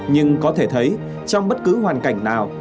nhưng có thể thấy trong bất cứ hoàn cảnh nào